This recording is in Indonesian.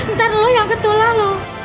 ntar lo yang ketulah lo